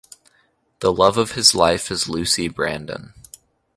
The love of his life is Lucy Brandon.